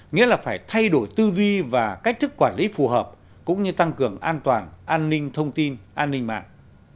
nghĩa là phải thay đổi tư duy và cách thức quản lý phù hợp cũng như tăng cường an toàn an ninh thông tin an ninh mạng